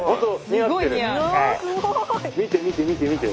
見て見て見て見て。